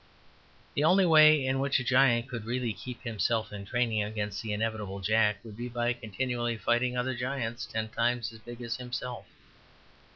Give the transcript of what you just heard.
The only way in which a giant could really keep himself in training against the inevitable Jack would be by continually fighting other giants ten times as big as himself.